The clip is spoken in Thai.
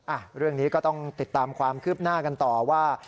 อ่ะเรื่องนี้ก็ต้องติดตามความคืบหน้ากันต่อว่า